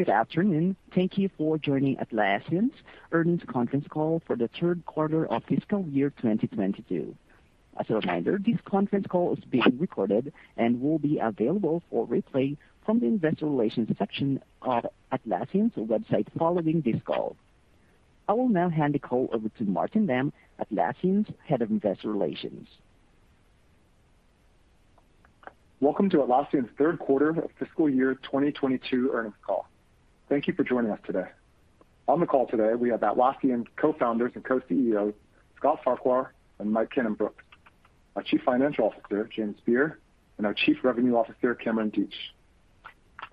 Good afternoon. Thank you for joining Atlassian's Earnings Conference Call for the Q3 of FY 2022. As a reminder, this conference call is being recorded and will be available for replay from the investor relations section of Atlassian's website following this call. I will now hand the call over to Martin Lam, Atlassian's Head of Investor Relations. Welcome to Atlassian's Q3 of FY 2022 Earnings Call. Thank you for joining us today. On the call today, we have Atlassian's Co-Founders and Co-CEOs, Scott Farquhar and Mike Cannon-Brookes, our CFO, James Beer, and our CRO, Cameron Deatsch.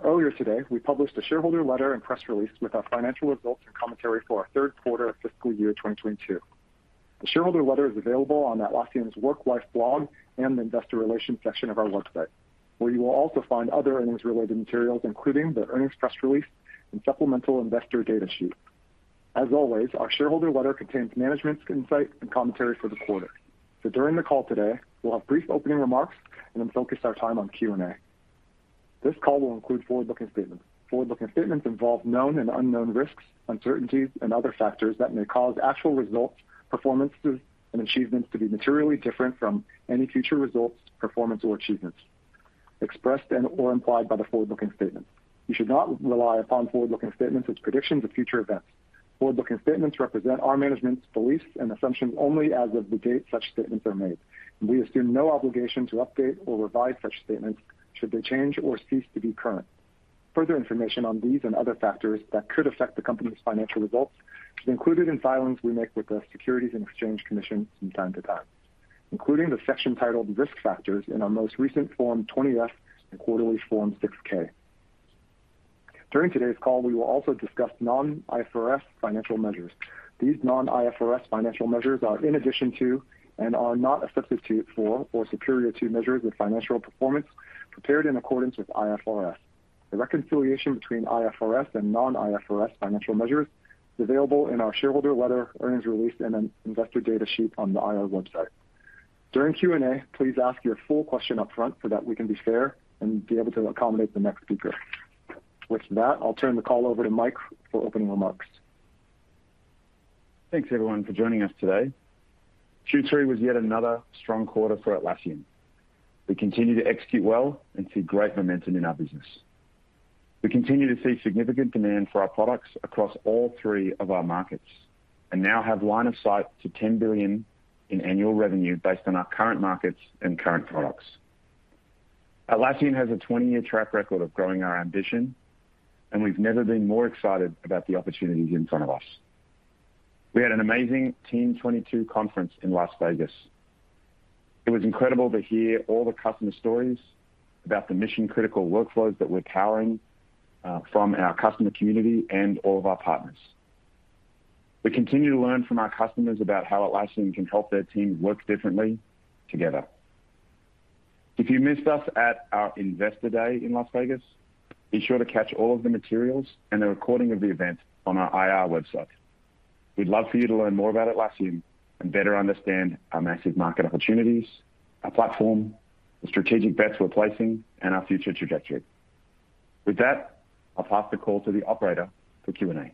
Earlier today, we published a shareholder letter and press release with our financial results and commentary for our Q3 of FY 2022. The shareholder letter is available on Atlassian's Work Life blog and the Investor Relations section of our website, where you will also find other earnings-related materials, including the earnings press release and supplemental investor data sheet. As always, our shareholder letter contains management's insight and commentary for the quarter. During the call today, we'll have brief opening remarks and then focus our time on Q&A. This call will include forward-looking statements. Forward-looking statements involve known and unknown risks, uncertainties, and other factors that may cause actual results, performances, and achievements to be materially different from any future results, performance, or achievements expressed and/or implied by the forward-looking statements. You should not rely upon forward-looking statements as predictions of future events. Forward-looking statements represent our management's beliefs and assumptions only as of the date such statements are made. We assume no obligation to update or revise such statements should they change or cease to be current. Further information on these and other factors that could affect the company's financial results is included in filings we make with the Securities and Exchange Commission from time to time, including the section titled Risk Factors in our most recent Form 20-F and quarterly Form 6-K. During today's call, we will also discuss non-IFRS financial measures. These non-IFRS financial measures are in addition to and are not a substitute for or superior to measures of financial performance prepared in accordance with IFRS. The reconciliation between IFRS and non-IFRS financial measures is available in our shareholder letter, earnings release, and in investor data sheet on the IR website. During Q&A, please ask your full question up front so that we can be fair and be able to accommodate the next speaker. With that, I'll turn the call over to Mike for opening remarks. Thanks, everyone, for joining us today. Q3 was yet another strong quarter for Atlassian. We continue to execute well and see great momentum in our business. We continue to see significant demand for our products across all three of our markets, and now have line of sight to $10 billion in annual revenue based on our current markets and current products. Atlassian has a 20-year track record of growing our ambition, and we've never been more excited about the opportunities in front of us. We had an amazing Team '22 conference in Las Vegas. It was incredible to hear all the customer stories about the mission-critical workflows that we're powering from our customer community and all of our partners. We continue to learn from our customers about how Atlassian can help their teams work differently together. If you missed us at our Investor Day in Las Vegas, be sure to catch all of the materials and the recording of the event on our IR website. We'd love for you to learn more about Atlassian and better understand our massive market opportunities, our platform, the strategic bets we're placing, and our future trajectory. With that, I'll pass the call to the operator for Q&A. Operator?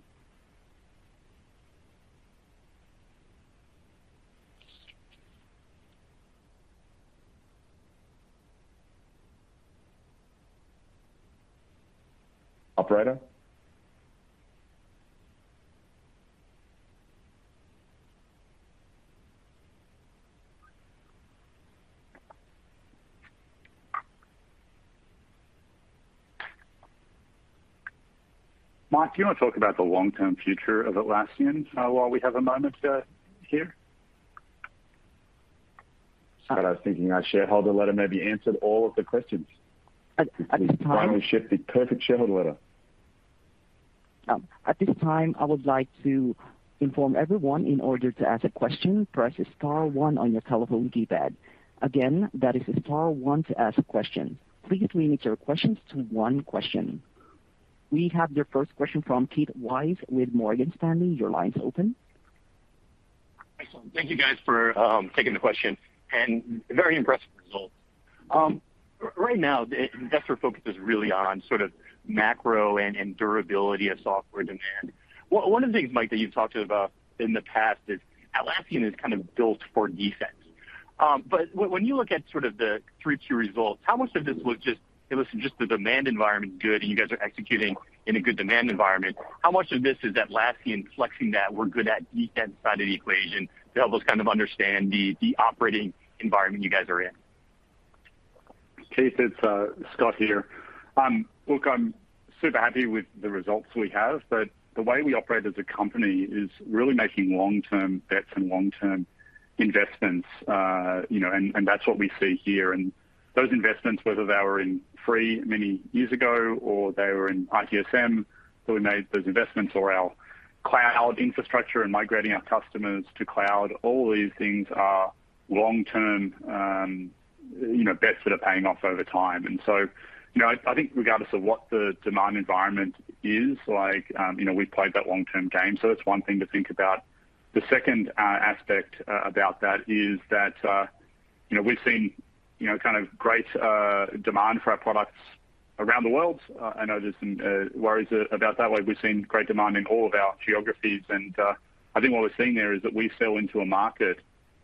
Mike, do you want to talk about the long-term future of Atlassian, while we have a moment, here? Scott, I was thinking our shareholder letter maybe answered all of the questions. At this time. We've finally shipped the perfect shareholder letter. At this time, I would like to inform everyone, in order to ask a question, press star one on your telephone keypad. Again, that is star one to ask a question. Please limit your questions to one question. We have the first question from Keith Weiss with Morgan Stanley. Your line's open. Excellent. Thank you, guys, for taking the question and very impressive results. Right now, the investor focus is really on sort of macro and durability of software demand. One of the things, Mike, that you've talked about in the past is Atlassian is kind of built for defense. But when you look at sort of the three key results, how much of this was just the demand environment good, and you guys are executing in a good demand environment? How much of this is Atlassian flexing that we're good at defense side of the equation to help us kind of understand the operating environment you guys are in? Keith, it's Scott here. Look, I'm super happy with the results we have, but the way we operate as a company is really making long-term bets and long-term investments, you know, and that's what we see here. Those investments, whether they were in Free many years ago or they were in ITSM, so we made those investments or our cloud infrastructure and migrating our customers to Cloud, all these things are long-term, you know, bets that are paying off over time. You know, I think regardless of what the demand environment is like, you know, we've played that long-term game. That's one thing to think about. The second aspect about that is that, you know, we've seen, you know, kind of great demand for our products around the world. I know there's some worries about that way. We've seen great demand in all of our geographies, and I think what we're seeing there is that we sell into a market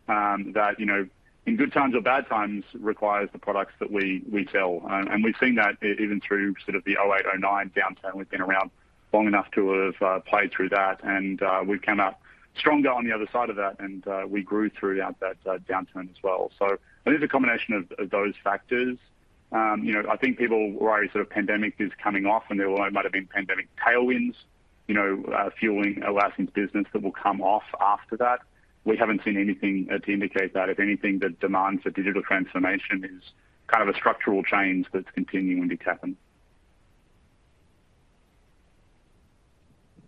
that, you know, in good times or bad times requires the products that we sell. We've seen that even through sort of the 2008, 2009 downturn. We've been around long enough to have played through that, and we've come out stronger on the other side of that, and we grew throughout that downturn as well. I think the combination of those factors, you know, I think people worry sort of pandemic is coming off and there might have been pandemic tailwinds, you know, fueling Atlassian's business that will come off after that. We haven't seen anything to indicate that. If anything, the demands for digital transformation is kind of a structural change that's continuing to happen.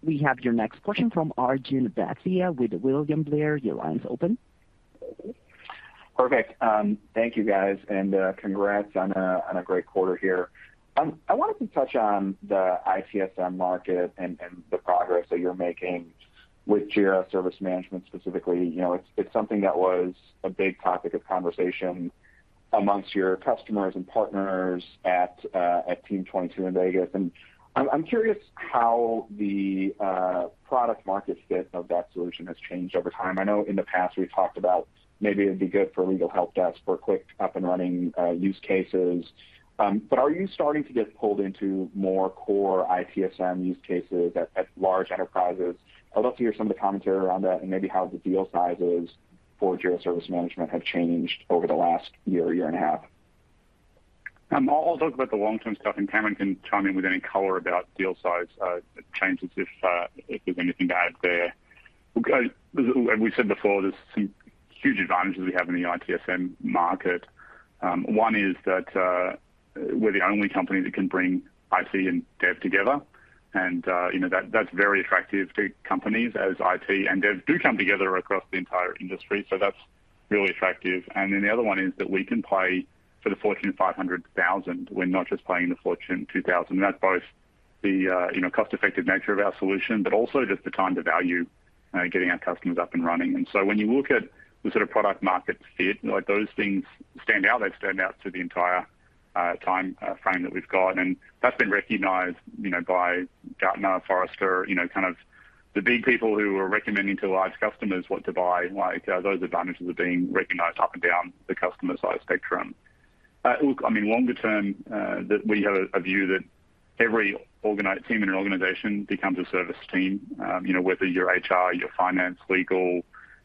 We have your next question from Arjun Bhatia with William Blair & Company, L.L.C. Your line is open. Perfect. Thank you, guys, and congrats on a great quarter here. I wanted to touch on the ITSM market and the progress that you're making with Jira Service Management specifically. You know, it's something that was a big topic of conversation among your customers and partners at Team '22 in Vegas. I'm curious how the product market fit of that solution has changed over time. I know in the past we talked about maybe it'd be good for legal helpdesk for quick up-and-running use cases. Are you starting to get pulled into more core ITSM use cases at large enterprises? I'd love to hear some of the commentary around that and maybe how the deal sizes for Jira Service Management have changed over the last year and a half. I'll talk about the long-term stuff, and Cameron can chime in with any color about deal size changes if there's anything to add there. Look, as we said before, there's some huge advantages we have in the ITSM market. One is that we're the only company that can bring IT and dev together, and you know, that's very attractive to companies as IT and dev do come together across the entire industry. That's really attractive. Then the other one is that we can play for the Fortune 500,000. We're not just playing the Fortune 2,000. That's both the, you know, cost-effective nature of our solution, but also just the time to value, getting our customers up and running. When you look at the sort of product market fit, like those things stand out. They've stood out throughout the entire time frame that we've got, and that's been recognized, you know, by Gartner, Forrester, you know, kind of the big people who are recommending to large customers what to buy, like, those advantages are being recognized up and down the customer size spectrum. Look, I mean, longer term, that we have a view that every team in an organization becomes a service team, you know, whether you're HR, you're finance, legal,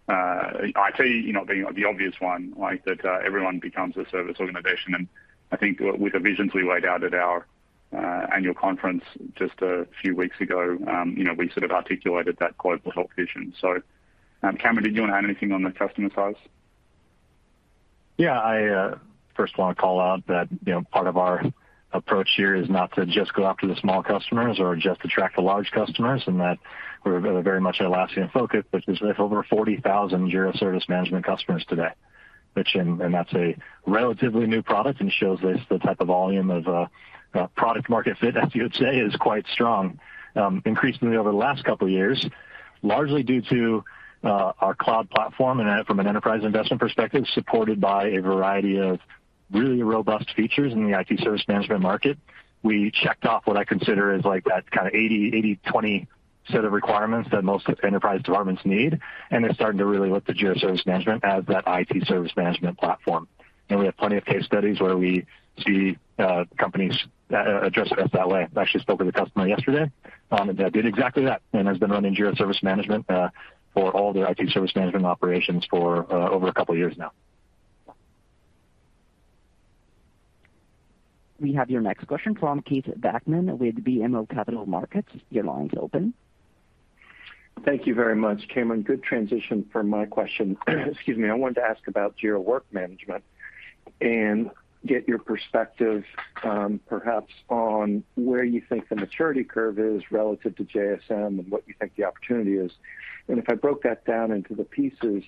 IT, you know, being the obvious one, like that, everyone becomes a service organization. I think with the visions we laid out at our annual conference just a few weeks ago, you know, we sort of articulated that global health vision. Cameron, did you want to add anything on the customer size? Yeah. I first want to call out that, you know, part of our approach here is not to just go after the small customers or just attract the large customers, and that we're very much Atlassian focused, which is with over 40,000 Jira Service Management customers today, and that's a relatively new product and shows this, the type of volume of product market fit, as you would say, is quite strong, increasingly over the last couple of years, largely due to our cloud platform and from an enterprise investment perspective, supported by a variety of really robust features in the IT service management market. We checked off what I consider as like that kind of 80/20 set of requirements that most enterprise departments need, and they're starting to really look to Jira Service Management as that IT service management platform. We have plenty of case studies where we see companies address us that way. I actually spoke with a customer yesterday that did exactly that and has been running Jira Service Management for all their IT service management operations for over a couple of years now. We have your next question from Keith Bachman with BMO Capital Markets. Your line is open. Thank you very much. Cameron, good transition for my question. Excuse me. I wanted to ask about Jira Work Management and get your perspective, perhaps on where you think the maturity curve is relative to JSM and what you think the opportunity is. If I broke that down into the pieces,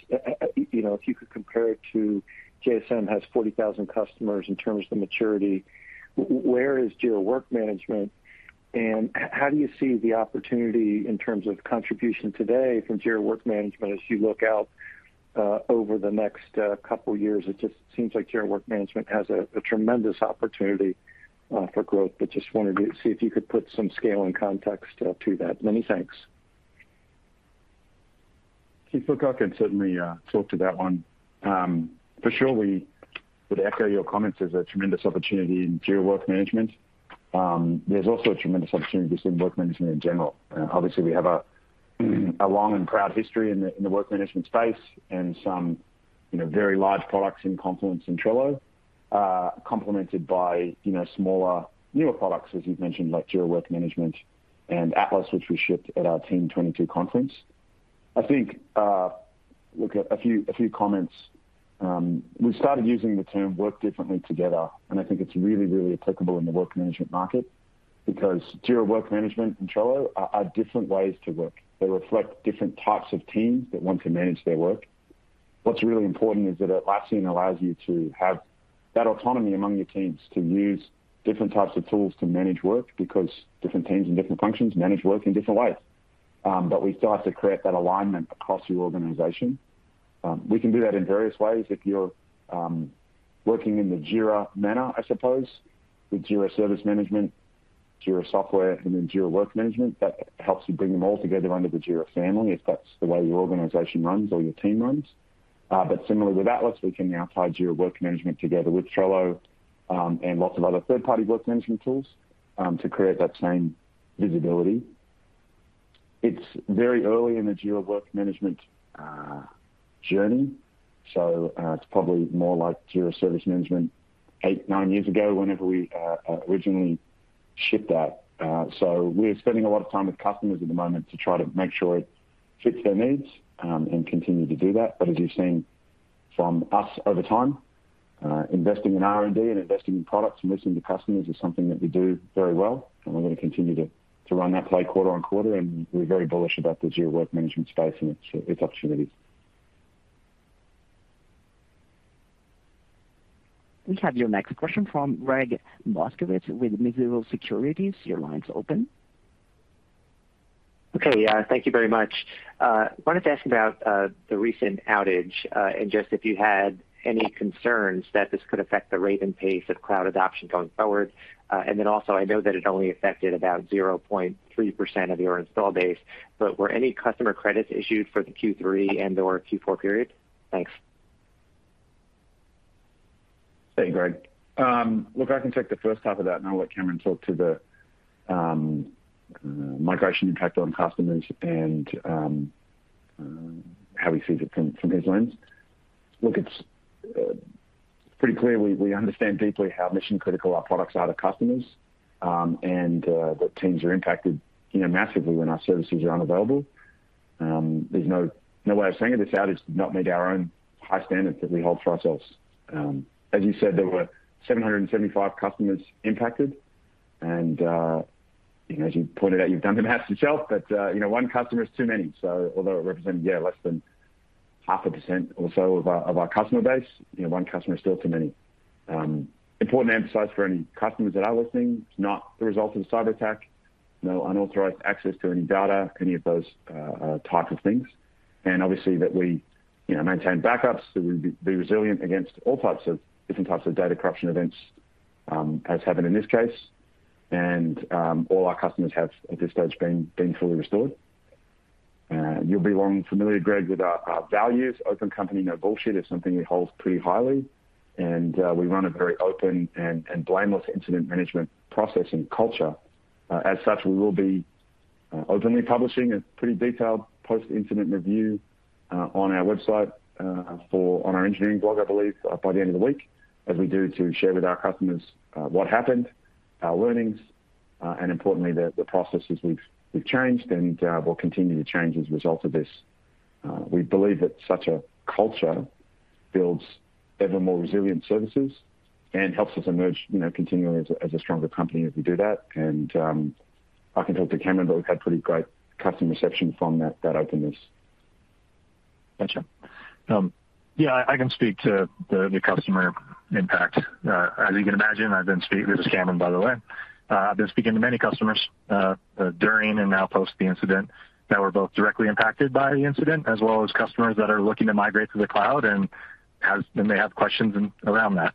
you know, if you could compare it to JSM has 40,000 customers in terms of the maturity, where is Jira Work Management, and how do you see the opportunity in terms of contribution today from Jira Work Management as you look out over the next couple years? It just seems like Jira Work Management has a tremendous opportunity for growth, but just wanted to see if you could put some scale and context to that. Many thanks. Keith, look, I can certainly talk to that one. For sure, we would echo your comments. There's a tremendous opportunity in Jira Work Management. There's also a tremendous opportunity just in work management in general. Obviously, we have a long and proud history in the work management space and some, you know, very large products in Confluence and Trello, complemented by, you know, smaller, newer products, as you've mentioned, like Jira Work Management and Atlas, which we shipped at our Team '22 conference. I think, look, a few comments. We started using the term work differently together, and I think it's really applicable in the work management market because Jira Work Management and Trello are different ways to work. They reflect different types of teams that want to manage their work. What's really important is that Atlassian allows you to have that autonomy among your teams to use different types of tools to manage work, because different teams and different functions manage work in different ways. We still have to create that alignment across your organization. We can do that in various ways. If you're working in the Jira manner, I suppose, with Jira Service Management, Jira Software, and then Jira Work Management, that helps you bring them all together under the Jira family, if that's the way your organization runs or your team runs. Similarly with Atlas, we can now tie Jira Work Management together with Trello, and lots of other third-party work management tools, to create that same visibility. It's very early in the Jira Work Management journey, so it's probably more like Jira Service Management eight, nine years ago whenever we originally shipped that. We're spending a lot of time with customers at the moment to try to make sure it fits their needs, and continue to do that. As you've seen from us over time, investing in R&D and investing in products and listening to customers is something that we do very well, and we're going to continue to run that play quarter-on-quarter, and we're very bullish about the Jira Work Management space and its opportunities. We have your next question from Gregg Moskowitz with Mizuho Securities. Your line's open. Okay. Yeah, thank you very much. Wanted to ask about the recent outage, and just if you had any concerns that this could affect the rate and pace of cloud adoption going forward. Also, I know that it only affected about 0.3% of your installed base, but were any customer credits issued for the Q3 and/or Q4 period? Thanks. Thanks, Greg. Look, I can take the H1 of that, and I'll let Cameron talk to the migration impact on customers and how he sees it from his lens. Look, it's pretty clear we understand deeply how mission-critical our products are to customers, and that teams are impacted, you know, massively when our services are unavailable. There's no way of saying it. This outage did not meet our own high standards that we hold for ourselves. As you said, there were 775 customers impacted. You know, as you pointed out, you've done the math yourself, but you know, one customer is too many. Although it represented, yeah, less than half a % or so of our customer base, you know, one customer is still too many. Important to emphasize for any customers that are listening, it's not the result of a cyberattack. No unauthorized access to any data, any of those types of things. Obviously, that we, you know, maintain backups, so we be resilient against different types of data corruption events, as happened in this case. All our customers have, at this stage, been fully restored. You'll be long familiar, Gregg, with our values. Open company, no bullshit is something we hold pretty highly. We run a very open and blameless incident management process and culture. As such, we will be openly publishing a pretty detailed post-incident review on our website on our engineering blog, I believe, by the end of the week, as we do to share with our customers what happened, our learnings, and importantly, the processes we've changed and will continue to change as a result of this. We believe that such a culture builds ever more resilient services and helps us emerge, you know, continually as a stronger company as we do that. I can talk to Cameron, but we've had pretty great customer reception from that openness. Gotcha. Um. Yeah, I can speak to the customer impact. As you can imagine, I've been speaking to many customers during and now post the incident that were both directly impacted by the incident, as well as customers that are looking to migrate to the cloud and they have questions around that.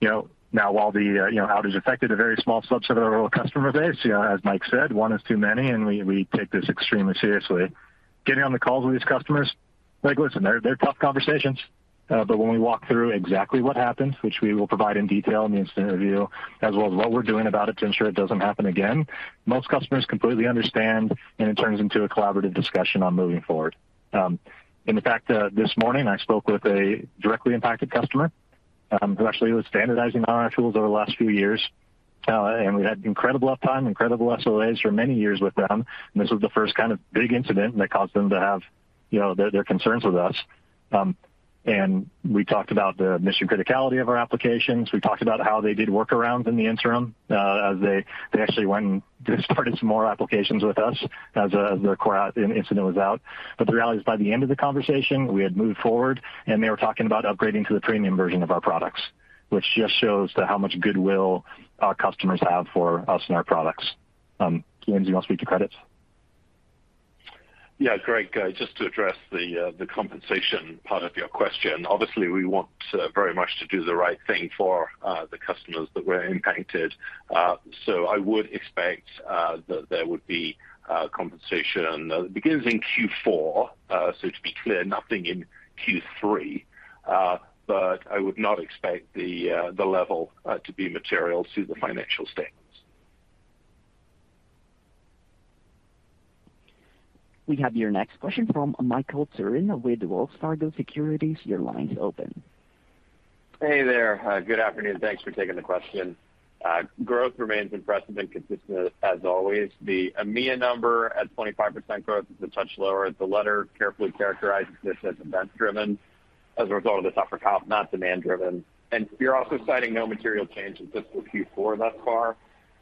You know, now, while the outage affected a very small subset of our overall customer base, you know, as Mike said, one is too many, and we take this extremely seriously. Getting on the calls with these customers, like, listen, they're tough conversations. When we walk through exactly what happened, which we will provide in detail in the incident review, as well as what we're doing about it to ensure it doesn't happen again, most customers completely understand, and it turns into a collaborative discussion on moving forward. In fact, this morning, I spoke with a directly impacted customer, who actually was standardizing on our tools over the last few years. We had incredible uptime, incredible SLAs for many years with them, and this was the first kind of big incident that caused them to have, you know, their concerns with us. We talked about the mission criticality of our applications. We talked about how they did workarounds in the interim, as they actually went and started some more applications with us as the core outage incident was out. The reality is, by the end of the conversation, we had moved forward, and they were talking about upgrading to the premium version of our products, which just shows how much goodwill our customers have for us and our products. James Beer, you want to speak to credits? Yeah. Gregg, just to address the compensation part of your question. Obviously, we want very much to do the right thing for the customers that were impacted. I would expect that there would be compensation that begins in Q4. To be clear, nothing in Q3. I would not expect the level to be material to the financial statements. We have your next question from Michael Turrin with Wells Fargo Securities. Your line's open. Hey there. Good afternoon. Thanks for taking the question. Growth remains impressive and consistent as always. The EMEA number at 25% growth is a touch lower. The letter carefully characterizes this as event-driven As a result of the tougher comp, not demand driven. You're also citing no material change in FY Q4 thus far.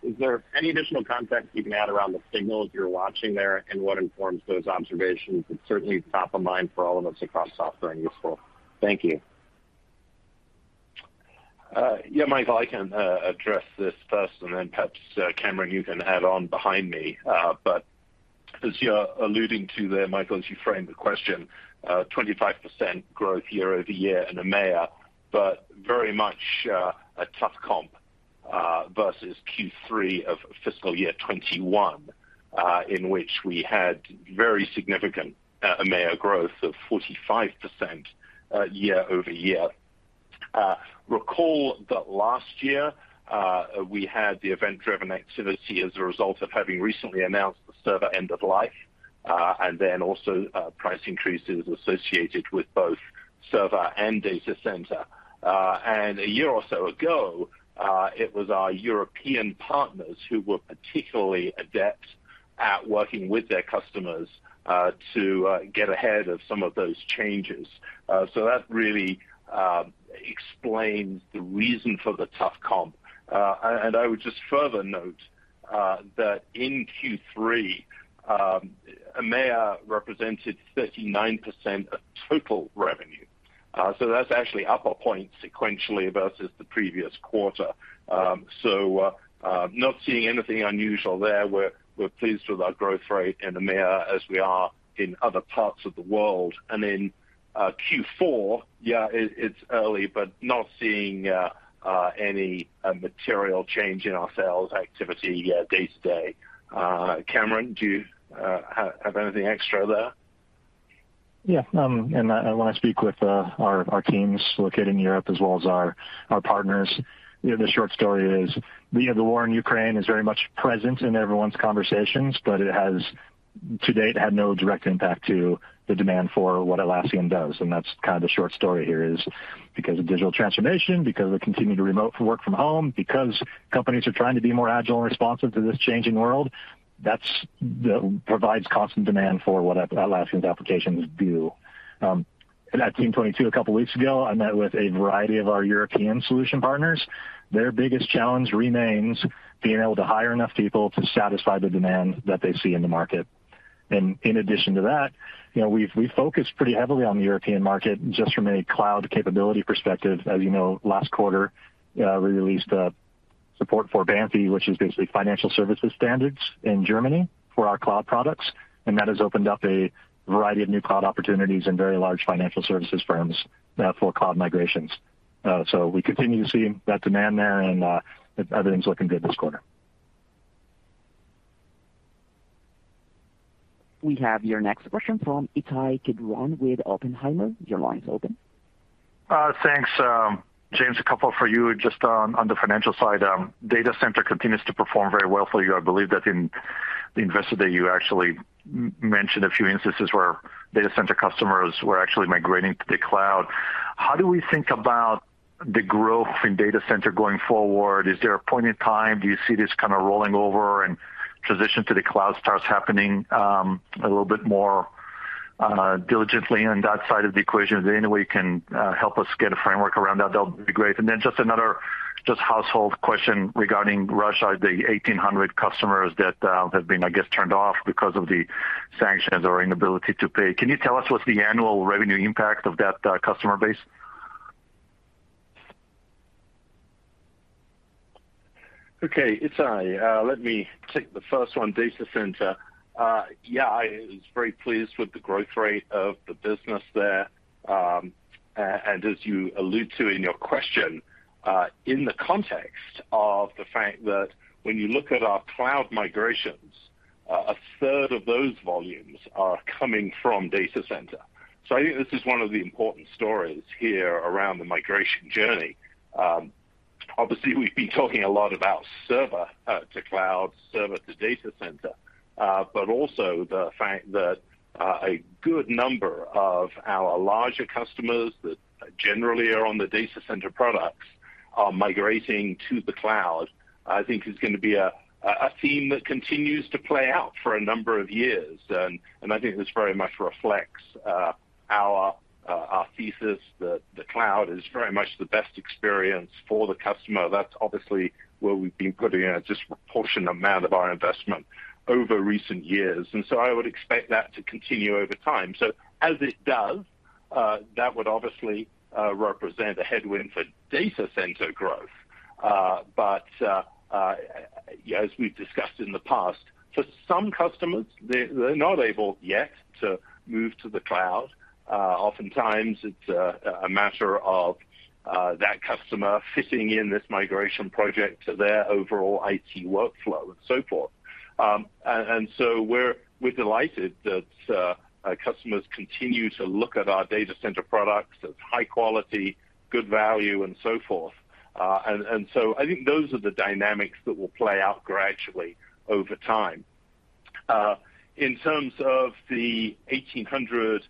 Is there any additional context you can add around the signals you're watching there and what informs those observations? It's certainly top of mind for all of us across software and useful. Thank you. Yeah, Michael, I can address this first, and then perhaps Cameron, you can add on behind me. As you're alluding to there, Michael, as you frame the question, 25% growth year-over-year in EMEA, but very much a tough comp versus Q3 of FY 2021, in which we had very significant EMEA growth of 45% year-over-year. Recall that last year we had the event-driven activity as a result of having recently announced the server end of life, and then also price increases associated with both server and data center. A year or so ago, it was our European partners who were particularly adept at working with their customers to get ahead of some of those changes. That really explains the reason for the tough comp. I would just further note that in Q3, EMEA represented 39% of total revenue. That's actually up a point sequentially versus the previous quarter. Not seeing anything unusual there. We're pleased with our growth rate in EMEA as we are in other parts of the world. In Q4, yeah, it's early, but not seeing any material change in our sales activity yet day to day. Cameron, do you have anything extra there? Yeah. I, when I speak with our teams located in Europe as well as our partners, you know, the short story is, you know, the war in Ukraine is very much present in everyone's conversations, but it has to date had no direct impact to the demand for what Atlassian does, and that's kind of the short story here is because of digital transformation, because they're continuing to work remotely from home, because companies are trying to be more agile and responsive to this changing world, that provides constant demand for what Atlassian's applications do. At Team '22 a couple weeks ago, I met with a variety of our European solution partners. Their biggest challenge remains being able to hire enough people to satisfy the demand that they see in the market. In addition to that, you know, we've focused pretty heavily on the European market just from a cloud capability perspective. As you know, last quarter, we released support for BaFin, which is basically financial services standards in Germany for our cloud products, and that has opened up a variety of new cloud opportunities in very large financial services firms for cloud migrations. We continue to see that demand there and everything's looking good this quarter. We have your next question from Ittai Kidron with Oppenheimer. Your line's open. Thanks. James, a couple for you just on the financial side. Data center continues to perform very well for you. I believe that in the Investor Day, you actually mentioned a few instances where data center customers were actually migrating to the cloud. How do we think about the growth in data center going forward? Is there a point in time? Do you see this kind of rolling over and transition to the cloud starts happening a little bit more diligently on that side of the equation? Is there any way you can help us get a framework around that? That would be great. Just another household question regarding Russia, the 1,800 customers that have been, I guess, turned off because of the sanctions or inability to pay. Can you tell us what's the annual revenue impact of that, customer base? Okay. Ittai, let me take the first one, Data Center. Yeah, I was very pleased with the growth rate of the business there. And as you allude to in your question, in the context of the fact that when you look at our cloud migrations, a third of those volumes are coming from Data Center. I think this is one of the important stories here around the migration journey. Obviously, we've been talking a lot about Server to Cloud, Server to Data Center, but also the fact that a good number of our larger customers that generally are on the Data Center products are migrating to the Cloud. I think is gonna be a theme that continues to play out for a number of years. I think this very much reflects our thesis that the Cloud is very much the best experience for the customer. That's obviously where we've been putting a disproportionate amount of our investment over recent years. I would expect that to continue over time. As it does, that would obviously represent a headwind for Data Center growth. But yeah, as we've discussed in the past, for some customers, they're not able yet to move to the Cloud. Oftentimes it's a matter of that customer fitting in this migration project to their overall IT workflow and so forth. We're delighted that customers continue to look at our Data Center products as high quality, good value and so forth. I think those are the dynamics that will play out gradually over time. In terms of the 1,800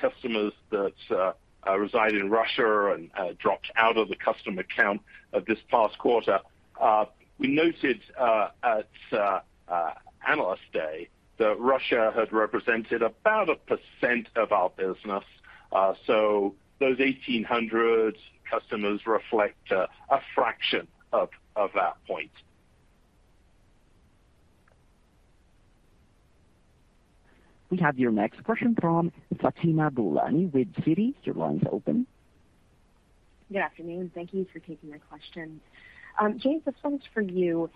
customers that reside in Russia and dropped out of the customer count of this past quarter, we noted at Analyst Day that Russia had represented about 1% of our business. Those 1,800 customers reflect a fraction of that point. We have your next question from Fatima Boolani with Citi. Your line is open. Good afternoon. Thank you for taking my question. James, this one's for you.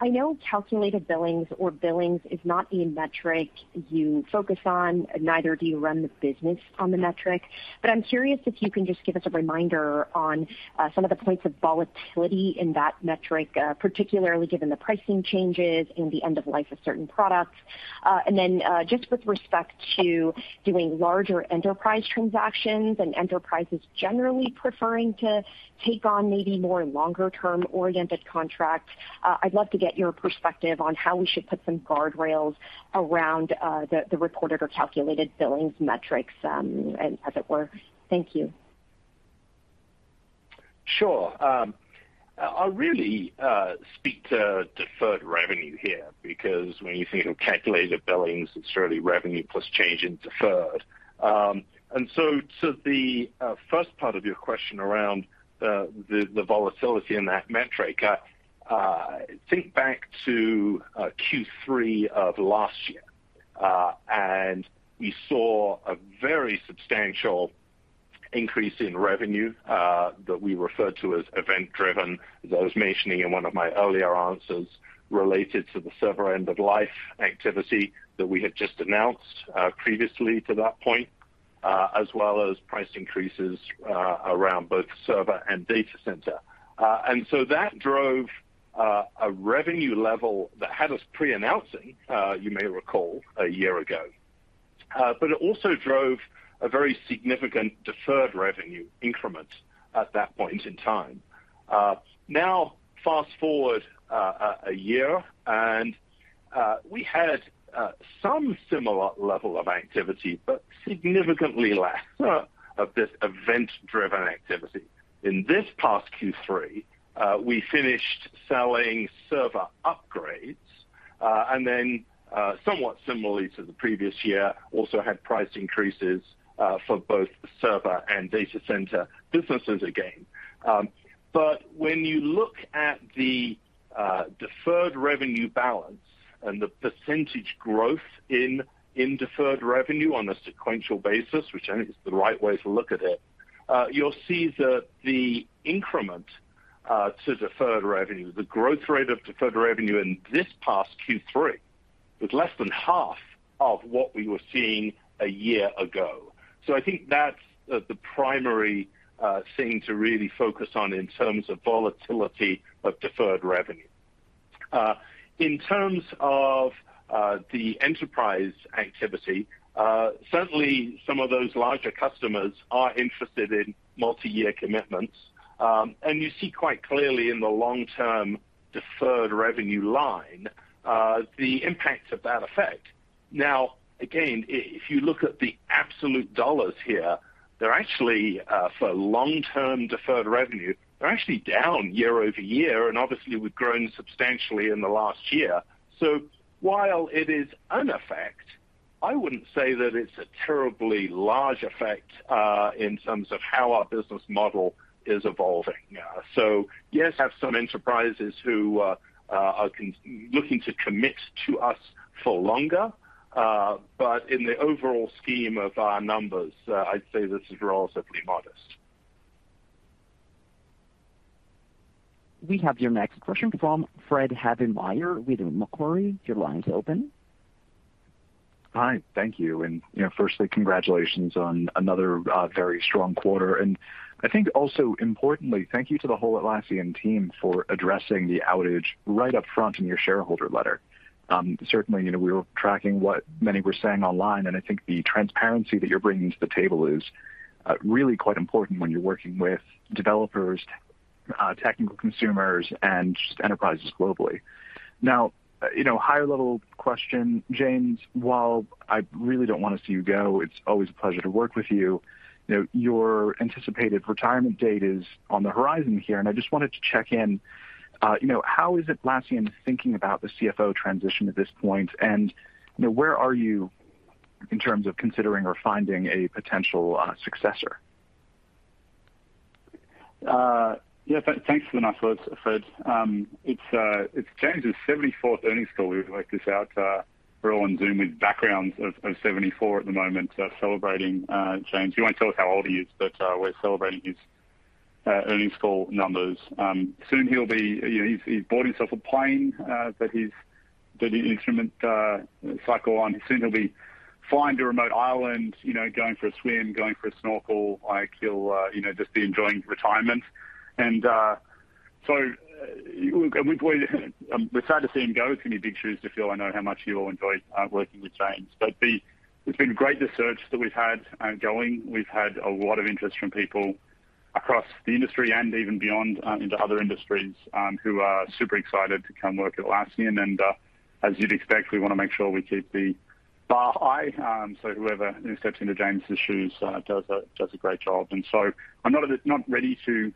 I know calculated billings or billings is not the metric you focus on, neither do you run the business on the metric. I'm curious if you can just give us a reminder on some of the points of volatility in that metric, particularly given the pricing changes and the end of life of certain products. Then, just with respect to doing larger enterprise transactions and enterprises generally preferring to take on maybe more longer-term oriented contracts, I'd love to get your perspective on how we should put some guardrails around the reported or calculated billings metrics, as it were. Thank you. Sure. I'll really speak to deferred revenue here, because when you think of calculated billings, it's really revenue plus change in deferred. To the first part of your question around the volatility in that metric, think back to Q3 of last year, and you saw a very substantial increase in revenue that we referred to as event-driven. As I was mentioning in one of my earlier answers, related to the server end-of-life activity that we had just announced previously to that point, as well as price increases around both server and data center. That drove a revenue level that had us pre-announcing. You may recall a year ago. It also drove a very significant deferred revenue increment at that point in time. Now fast-forward a year, and we had some similar level of activity, but significantly less of this event-driven activity. In this past Q3, we finished selling server upgrades, and then somewhat similarly to the previous year, also had price increases for both server and data center businesses again. When you look at the deferred revenue balance and the percentage growth in deferred revenue on a sequential basis, which I think is the right way to look at it, you'll see that the increment to deferred revenue, the growth rate of deferred revenue in this past Q3 was less than half of what we were seeing a year ago. I think that's the primary thing to really focus on in terms of volatility of deferred revenue. In terms of the enterprise activity, certainly some of those larger customers are interested in multi-year commitments. You see quite clearly in the long-term deferred revenue line, the impact of that effect. Now, again, if you look at the absolute dollars here, they're actually for long-term deferred revenue, they're actually down year-over-year, and obviously, we've grown substantially in the last year. While it is an effect, I wouldn't say that it's a terribly large effect in terms of how our business model is evolving. Yes, have some enterprises who are looking to commit to us for longer, but in the overall scheme of our numbers, I'd say this is relatively modest. We have your next question from Fred Havemeyer with Macquarie. Your line is open. Hi, thank you. You know, firstly, congratulations on another very strong quarter. I think also importantly, thank you to the whole Atlassian team for addressing the outage right up front in your shareholder letter. Certainly, you know, we were tracking what many were saying online, and I think the transparency that you're bringing to the table is really quite important when you're working with developers, technical consumers, and just enterprises globally. Now, you know, higher level question, James, while I really don't wanna see you go, it's always a pleasure to work with you. You know, your anticipated retirement date is on the horizon here, and I just wanted to check in, you know, how is Atlassian thinking about the CFO transition at this point? You know, where are you in terms of considering or finding a potential successor? Yeah, thanks for the nice words, Fred. It's James' 74th earnings call we've worked this out. We're all on Zoom with backgrounds of 74 at the moment, celebrating James. He won't tell us how old he is, but we're celebrating his earnings call numbers. Soon he'll be. You know, he's bought himself a plane that he can spend cycle on. Soon he'll be flying to a remote island, you know, going for a swim, going for a snorkel, hike. He'll, you know, just be enjoying retirement. We're sad to see him go. It's gonna be big shoes to fill. I know how much you all enjoy working with James. It's been great the search that we've had going. We've had a lot of interest from people across the industry and even beyond, into other industries, who are super excited to come work Atlassian. As you'd expect, we wanna make sure we keep the bar high, so whoever steps into James' shoes does a great job. I'm not ready to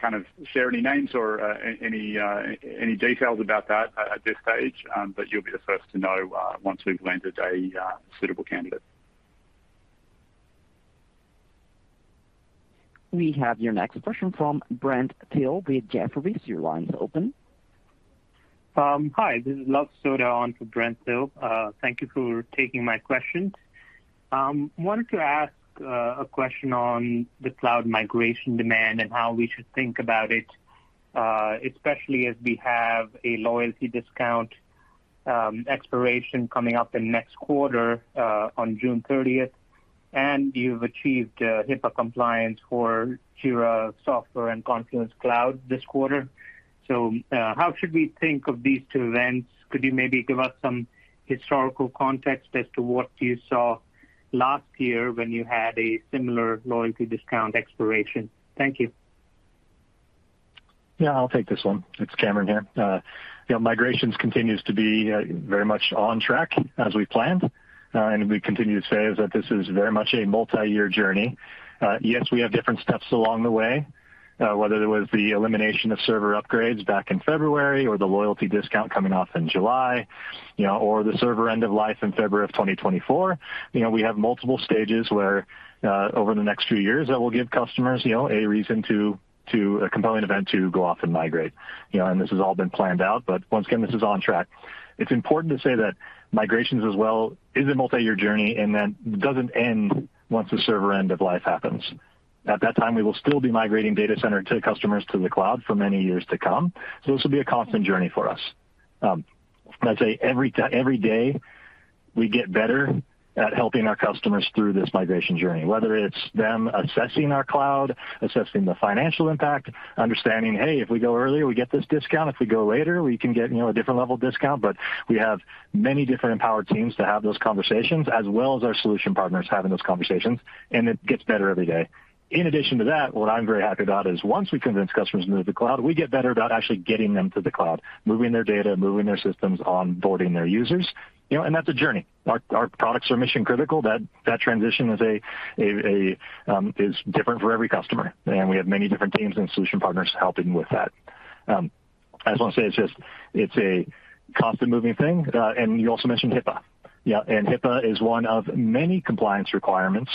kind of share any names or any details about that at this stage, but you'll be the first to know once we've landed a suitable candidate. We have your next question from Brent Thill with Jefferies. Your line is open. Hi, this is Luv Sodha on for Brent Thill. Thank you for taking my questions. Wanted to ask a question on the cloud migration demand and how we should think about it, especially as we have a loyalty discount expiration coming up in next quarter on June thirtieth, and you've achieved HIPAA compliance for Jira Software and Confluence Cloud this quarter. How should we think of these two events? Could you maybe give us some historical context as to what you saw last year when you had a similar loyalty discount expiration? Thank you. Yeah, I'll take this one. It's Cameron here. You know, migrations continues to be very much on track as we planned. We continue to say that this is very much a multi-year journey. Yes, we have different steps along the way, whether it was the elimination of server upgrades back in February or the loyalty discount coming off in July, you know, or the server end of life in February 2024. You know, we have multiple stages where over the next few years that will give customers, you know, a reason to a compelling event to go off and migrate. You know, this has all been planned out, but once again, this is on track. It's important to say that migrations as well is a multi-year journey, and that doesn't end once the server end of life happens. At that time, we will still be migrating data center to customers to the cloud for many years to come, so this will be a constant journey for us. I'd say every day we get better at helping our customers through this migration journey, whether it's them assessing our cloud, assessing the financial impact, understanding, hey, if we go earlier, we get this discount. If we go later, we can get, you know, a different level of discount. But we have many different empowered teams to have those conversations as well as our solution partners having those conversations, and it gets better every day. In addition to that, what I'm very happy about is once we convince customers to move to the cloud, we get better about actually getting them to the cloud, moving their data, moving their systems, onboarding their users, you know, and that's a journey. Our products are mission-critical. That transition is different for every customer, and we have many different teams and solution partners helping with that. I just want to say it's a constant moving thing. You also mentioned HIPAA. HIPAA is one of many compliance requirements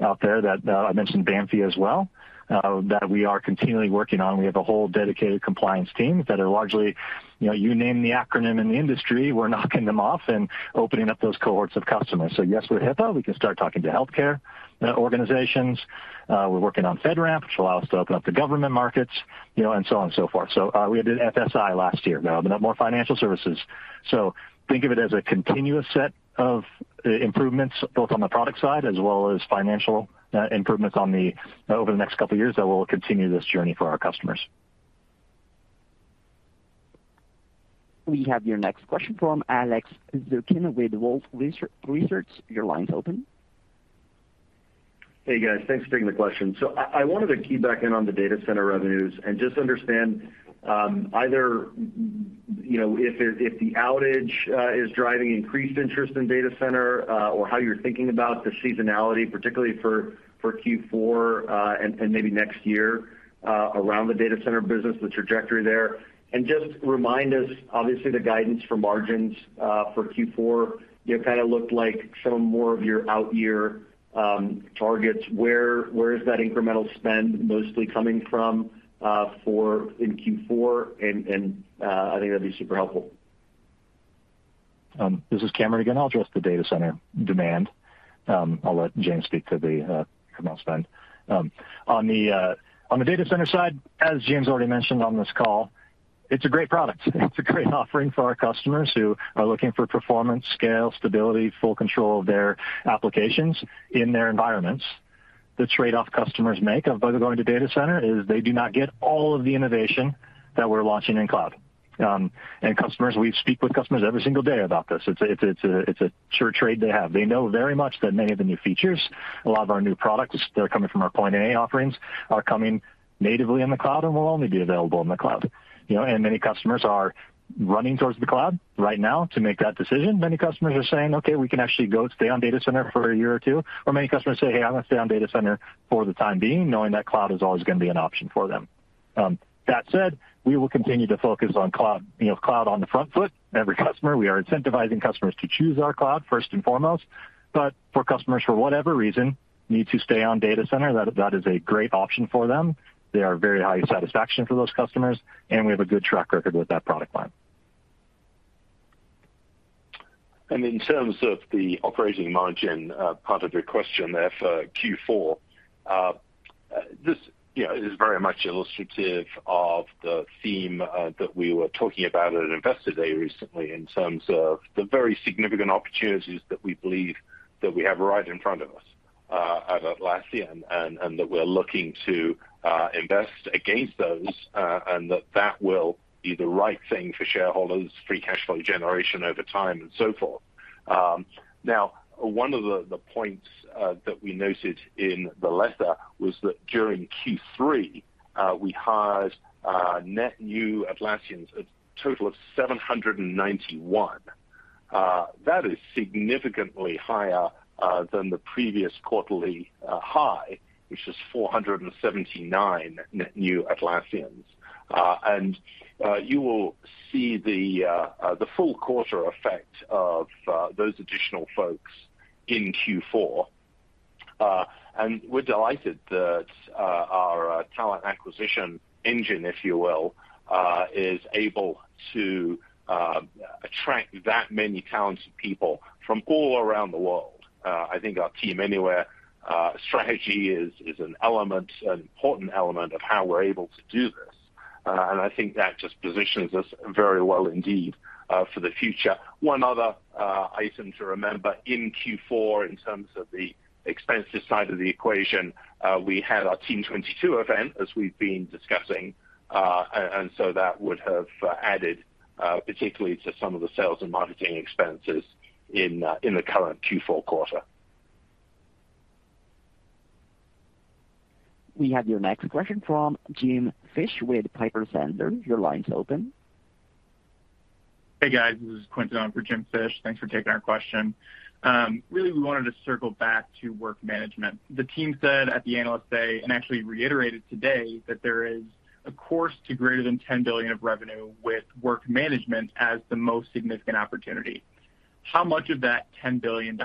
out there that I mentioned BaFin as well that we are continually working on. We have a whole dedicated compliance team that are largely, you know, you name the acronym in the industry, we're knocking them off and opening up those cohorts of customers. Yes, with HIPAA, we can start talking to healthcare organizations. We're working on FedRAMP, which allows us to open up the government markets, you know, and so on and so forth. We did FSI last year. Now more financial services. Think of it as a continuous set of improvements both on the product side as well as financial improvements over the next couple of years that we'll continue this journey for our customers. We have your next question from Alex Zukin with Wolfe Research. Your line is open. Hey, guys. Thanks for taking the question. I wanted to key back in on the data center revenues and just understand, either, you know, if the outage is driving increased interest in data center, or how you're thinking about the seasonality, particularly for Q4, and maybe next year, around the data center business, the trajectory there. Just remind us, obviously the guidance for margins for Q4 kind of looked like some more of your out-year targets. Where is that incremental spend mostly coming from in Q4? I think that'd be super helpful. This is Cameron again. I'll address the data center demand. I'll let James speak to the incremental spend. On the data center side, as James already mentioned on this call, it's a great product. It's a great offering for our customers who are looking for performance, scale, stability, full control of their applications in their environments. The trade-off customers make of going to data center is they do not get all of the innovation that we're launching in cloud. Customers, we speak with customers every single day about this. It's a sure trade they have. They know very much that many of the new features, a lot of our new products that are coming from our Point A offerings are coming natively in the cloud and will only be available in the cloud. You know, many customers are running towards the cloud right now to make that decision. Many customers are saying, "Okay, we can actually go stay on data center for a year or two." Many customers say, "Hey, I'm going to stay on data center for the time being," knowing that cloud is always going to be an option for them. That said, we will continue to focus on cloud, you know, cloud on the front foot. Every customer, we are incentivizing customers to choose our cloud first and foremost. For customers, for whatever reason, need to stay on data center, that is a great option for them. They are very high satisfaction for those customers, and we have a good track record with that product line. In terms of the operating margin, part of your question there for Q4, this, you know, is very much illustrative of the theme that we were talking about at Investor Day recently in terms of the very significant opportunities that we believe that we have right in front of us at Atlassian and that we're looking to invest against those and that will be the right thing for shareholders, free cash flow generation over time and so forth. Now, one of the points that we noted in the letter was that during Q3, we hired net new Atlassians a total of 791. That is significantly higher than the previous quarterly high, which is 479 new Atlassians. You will see the full quarter effect of those additional folks in Q4. We're delighted that our talent acquisition engine, if you will, is able to attract that many talented people from all around the world. I think our Team Anywhere strategy is an important element of how we're able to do this. I think that just positions us very well indeed for the future. One other item to remember in Q4 in terms of the expenses side of the equation, we had our Team '22 event as we've been discussing, and so that would have added, particularly to some of the sales and marketing expenses in the current Q4. We have your next question from Jim Fish with Piper Sandler. Your line's open. Hey, guys. This is Quinton on for Jim Fish. Thanks for taking our question. Really we wanted to circle back to work management. The team said at the Analyst Day, and actually reiterated today, that there is a course to greater than $10 billion of revenue with work management as the most significant opportunity. How much of that $10 billion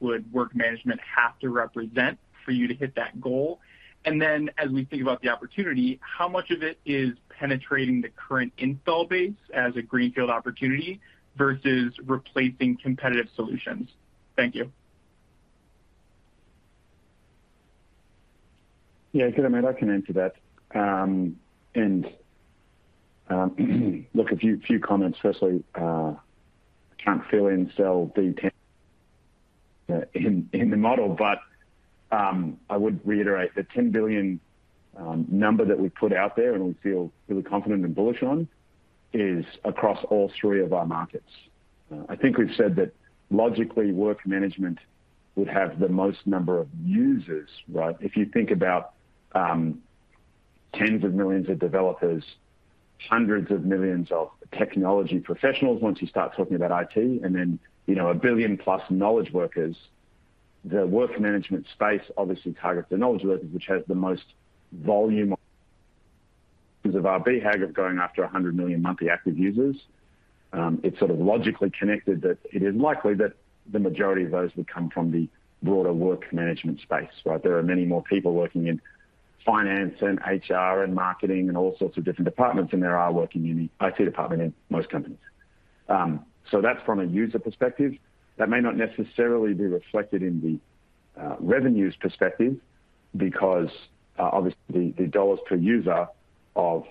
would work management have to represent for you to hit that goal? And then as we think about the opportunity, how much of it is penetrating the current install base as a greenfield opportunity versus replacing competitive solutions? Thank you. Yeah. Good mate, I can answer that. Look a few comments, firstly, I can't fill in cell D10 in the model, but I would reiterate the $10 billion number that we put out there and we feel really confident and bullish on is across all three of our markets. I think we've said that logically work management would have the most number of users, right? If you think about tens of millions of developers, hundreds of millions of technology professionals once you start talking about IT, and then, you know, 1 billion plus knowledge workers, the work management space obviously targets the knowledge workers, which has the most volume of our BHAG of going after 100 million monthly active users. It's sort of logically connected that it is likely that the majority of those would come from the broader work management space, right? There are many more people working in finance and HR and marketing and all sorts of different departments than there are working in the IT department in most companies. That's from a user perspective. That may not necessarily be reflected in the revenues perspective because obviously the dollars per user of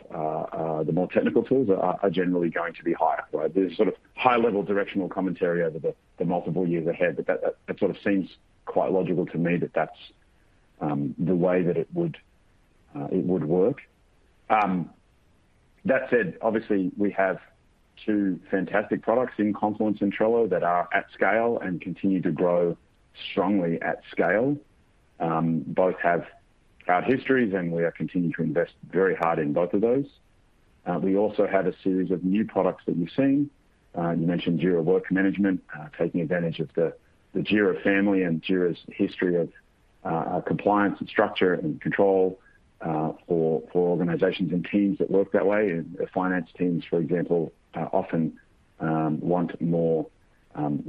the more technical tools are generally going to be higher, right? There's sort of high level directional commentary over the multiple years ahead, but that sort of seems quite logical to me that that's the way that it would work. That said, obviously we have two fantastic products in Confluence and Trello that are at scale and continue to grow strongly at scale. Both have great histories, and we are continuing to invest very hard in both of those. We also have a series of new products that you've seen. You mentioned Jira Work Management, taking advantage of the Jira family and Jira's history of compliance and structure and control, for organizations and teams that work that way. Finance teams, for example, often want more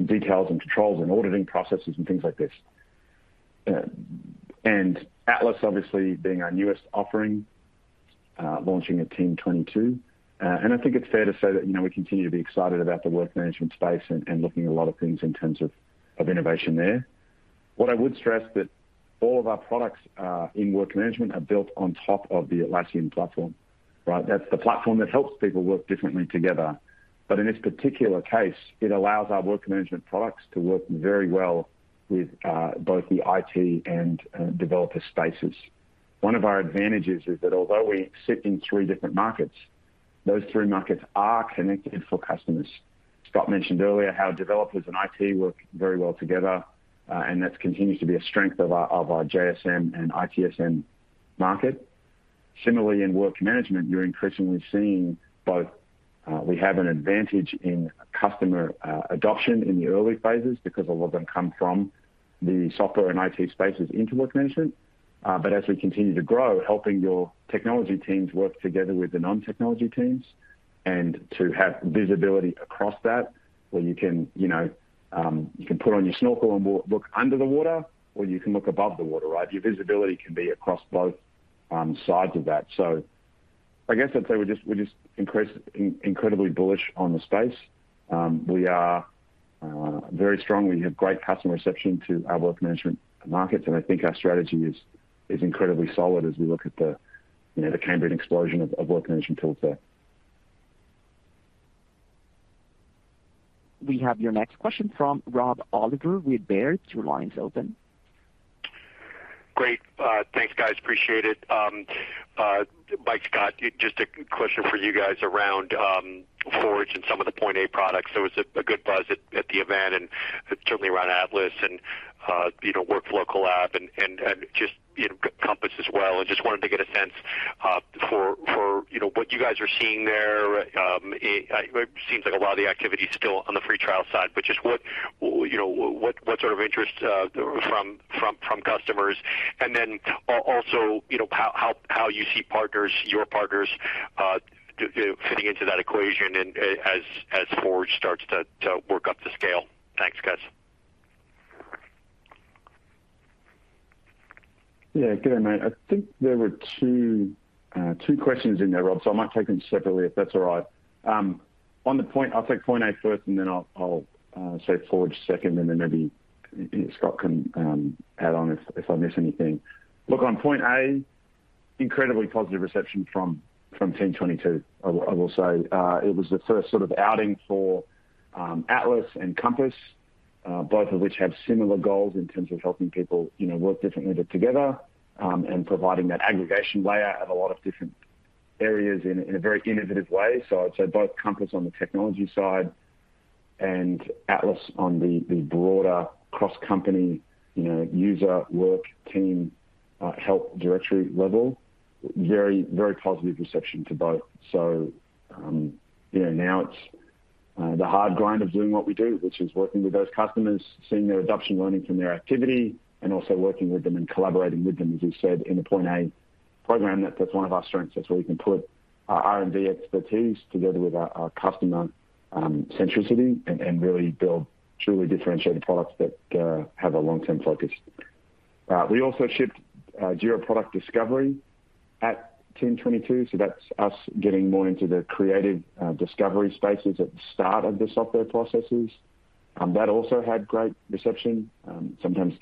details and controls and auditing processes and things like this. Atlas obviously being our newest offering, launching at Team '22. I think it's fair to say that, you know, we continue to be excited about the work management space and looking at a lot of things in terms of innovation there. What I would stress that all of our products in work management are built on top of the Atlassian platform, right? That's the platform that helps people work differently together. In this particular case, it allows our work management products to work very well with both the IT and developer spaces. One of our advantages is that although we sit in three different markets, those three markets are connected for customers. Scott mentioned earlier how developers and IT work very well together, and that continues to be a strength of our JSM and ITSM market. Similarly in work management, you're increasingly seeing both, we have an advantage in customer adoption in the early phases because a lot of them come from the software and IT spaces into work management. As we continue to grow, helping your technology teams work together with the non-technology teams and to have visibility across that where you can, you know, you can put on your snorkel and look under the water or you can look above the water, right? Your visibility can be across both sides of that. I guess I'd say we're just incredibly bullish on the space. We are very strong. We have great customer reception to our work management markets, and I think our strategy is incredibly solid as we look at the, you know, the Cambrian explosion of work management tools there. We have your next question from Rob Oliver with Baird. Your line's open. Great. Thanks, guys. Appreciate it. Mike, Scott, just a question for you guys around Forge and some of the Point A products. There was a good buzz at the event and certainly around Atlas and you know Work Local app and just you know Compass as well. I just wanted to get a sense what you guys are seeing there. It seems like a lot of the activity is still on the free trial side, but just what you know what sort of interest from customers? Also, you know, how you see partners, your partners fitting into that equation and as Forge starts to work up the scale. Thanks, guys. Yeah. Good day, mate. I think there were two questions in there, Rob, so I might take them separately, if that's all right. On Point A, I'll take Point A first, and then I'll save Forge second, and then maybe Scott can add on if I miss anything. Look, on Point A, incredibly positive reception from Team '22, I will say. It was the first sort of outing for Atlas and Compass, both of which have similar goals in terms of helping people, you know, work differently but together, and providing that aggregation layer of a lot of different areas in a very innovative way. I'd say both Compass on the technology side and Atlas on the broader cross-company, you know, user work team help directory level, very, very positive reception to both. You know, now it's the hard grind of doing what we do, which is working with those customers, seeing their adoption, learning from their activity, and also working with them and collaborating with them, as you said, in the Point A program. That's one of our strengths. That's where we can put our R&D expertise together with our customer centricity and really build truly differentiated products that have a long-term focus. We also shipped Jira Product Discovery at Team '22, so that's us getting more into the creative discovery spaces at the start of the software processes. That also had great reception. Sometimes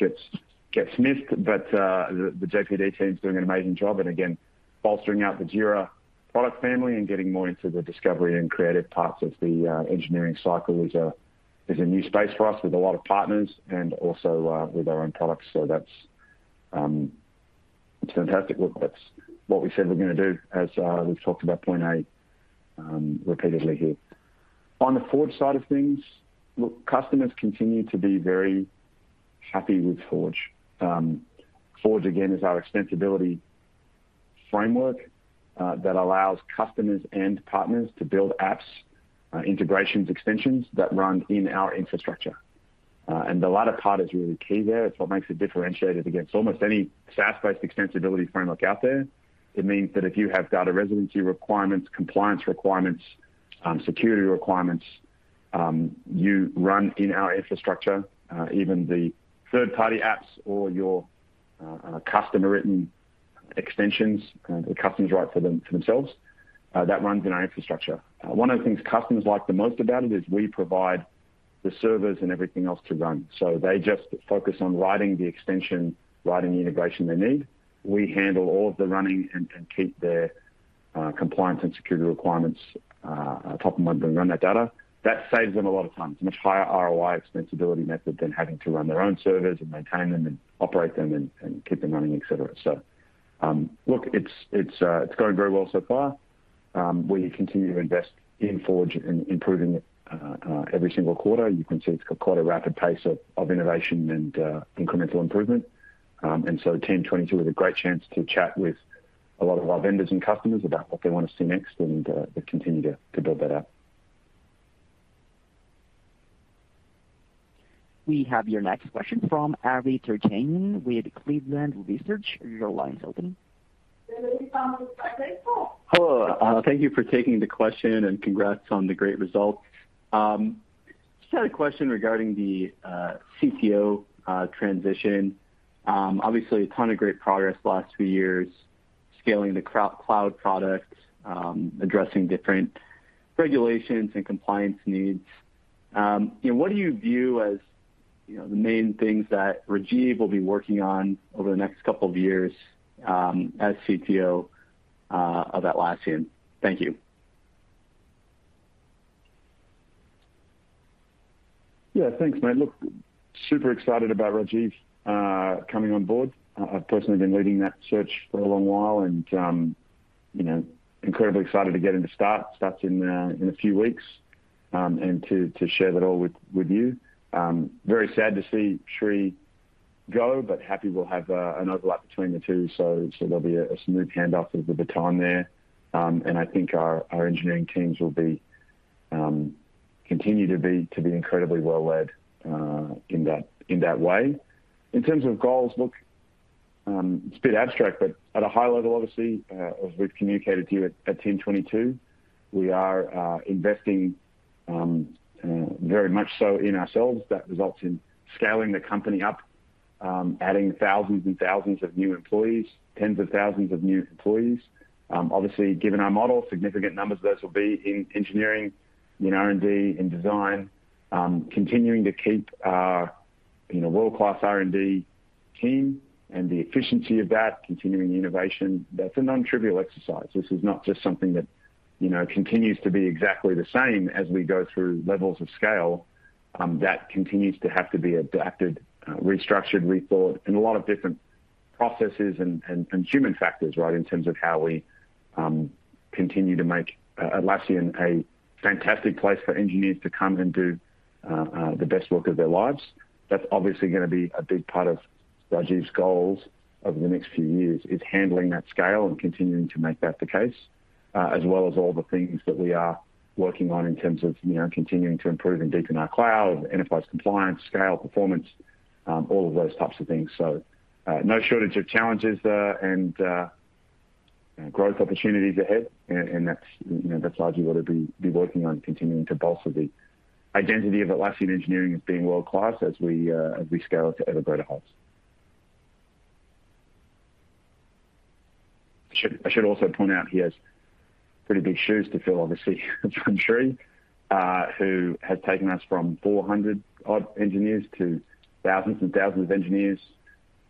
gets missed, but the JPD team's doing an amazing job. Again, bolstering out the Jira product family and getting more into the discovery and creative parts of the engineering cycle is a new space for us with a lot of partners and also with our own products. That's it. It's fantastic. Look, that's what we said we're gonna do as we've talked about Point A repeatedly here. On the Forge side of things, look, customers continue to be very happy with Forge. Forge, again, is our extensibility framework that allows customers and partners to build apps, integrations, extensions that run in our infrastructure. And the latter part is really key there. It's what makes it differentiated against almost any SaaS-based extensibility framework out there. It means that if you have data residency requirements, compliance requirements, security requirements, you run in our infrastructure, even the third-party apps or your customer-written extensions, the customers write for themselves, that runs in our infrastructure. One of the things customers like the most about it is we provide the servers and everything else to run. They just focus on writing the extension, writing the integration they need. We handle all of the running and keep their compliance and security requirements top of mind when we run that data. That saves them a lot of time. It's a much higher ROI extensibility method than having to run their own servers and maintain them and operate them and keep them running, et cetera. Look, it's going very well so far. We continue to invest in Forge and improving it every single quarter. You can see it's got quite a rapid pace of innovation and incremental improvement. Team '22 is a great chance to chat with a lot of our vendors and customers about what they want to see next and continue to build that out. We have your next question from Ari Terjanian with Cleveland Research. Your line's open. Hello. Thank you for taking the question, and congrats on the great results. Just had a question regarding the CTO transition. Obviously a ton of great progress the last few years, scaling the cloud products, addressing different regulations and compliance needs. You know, what do you view as, you know, the main things that Rajeev will be working on over the next couple of years, as CTO of Atlassian? Thank you. Yeah. Thanks, mate. Look, super excited about Rajeev coming on board. I've personally been leading that search for a long while and, you know, incredibly excited to get him to start. Starts in a few weeks, and to share that all with you. Very sad to see Sri go, but happy we'll have an overlap between the two. There'll be a smooth handoff of the baton there. I think our engineering teams will continue to be incredibly well led in that way. In terms of goals, look, it's a bit abstract, but at a high level, obviously, as we've communicated to you at Team '22, we are investing very much so in ourselves. That results in scaling the company up, adding thousands and thousands of new employees, tens of thousands of new employees. Obviously, given our model, significant numbers of those will be in engineering, in R&D, in design, continuing to keep our, you know, world-class R&D team and the efficiency of that, continuing innovation. That's a non-trivial exercise. This is not just something that, you know, continues to be exactly the same as we go through levels of scale, that continues to have to be adapted, restructured, rethought in a lot of different processes and human factors, right, in terms of how we continue to make Atlassian a fantastic place for engineers to come and do the best work of their lives. That's obviously gonna be a big part of Rajeev's goals over the next few years, is handling that scale and continuing to make that the case. As well as all the things that we are working on in terms of, you know, continuing to improve and deepen our cloud, enterprise compliance, scale, performance, all of those types of things. No shortage of challenges, and growth opportunities ahead. That's, you know, that's largely what we'll be working on, continuing to bolster the identity of Atlassian engineering as being world-class as we scale it to ever greater heights. I should also point out he has pretty big shoes to fill, obviously, from Sri, who has taken us from 400-odd engineers to thousands and thousands of engineers,